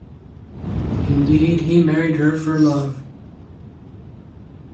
Indeed, he married her for love.